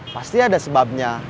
pasti ada sebabnya